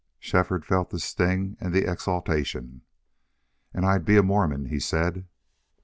Shefford felt the sting and the exaltation. "And I'd be a Mormon," he said.